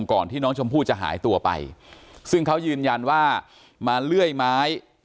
ก่อนที่น้องชมพู่จะหายตัวไปซึ่งเขายืนยันว่ามาเลื่อยไม้